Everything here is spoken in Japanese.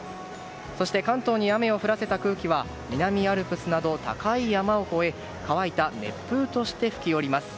そして関東に雨を降らせた空気は南アルプスなど高い山を越えて乾いた熱風として吹き降ります。